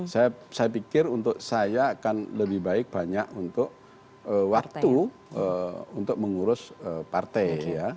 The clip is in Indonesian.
saya pikir untuk saya akan lebih baik banyak untuk waktu untuk mengurus partai